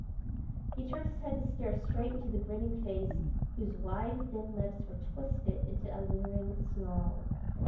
He turned his head to stare straight into the grinning face whose wide, thin lips were twisted into a leering snarl.